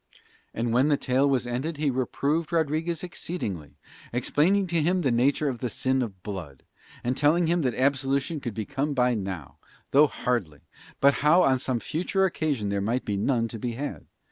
And when the tale was ended he reproved Rodriguez exceedingly, explaining to him the nature of the sin of blood, and telling him that absolution could be come by now, though hardly, but how on some future occasion there might be none to be had.